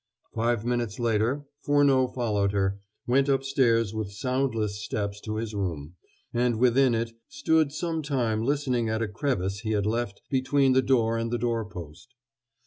Five minutes later Furneaux followed her, went upstairs with soundless steps to his room, and within it stood some time listening at a crevice he had left between the door and the door post.